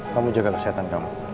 kamu jaga kesehatan kamu